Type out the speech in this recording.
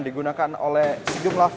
digunakan oleh sejumlah fasilitas